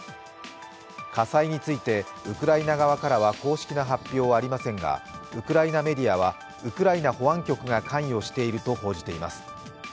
火災についてウクライナ側からは公式な発表はありませんがウクライナメディアはウクライナ保安局が関与していると報じています。